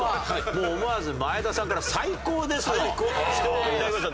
もう思わず前田さんから「最高です」のひと言いただきました。